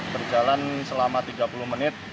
berjalan selama tiga puluh menit